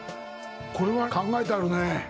これは考えてあるね。